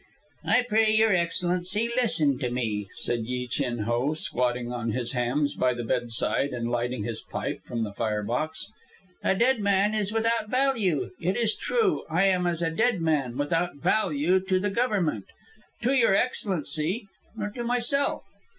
"I pray Your Excellency to listen to me," said Yi Chin Ho, squatting on his hams by the bedside and lighting his pipe from the fire box. "A dead man is without value. It is true, I am as a dead man, without value to the Government, to Your Excellency, or to myself.